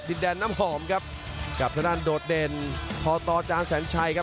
แดนน้ำหอมครับกับทางด้านโดดเด่นพตจานแสนชัยครับ